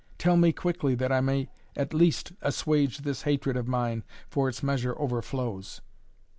Tell me quickly, that I may at least assuage this hatred of mine, for its measure overflows."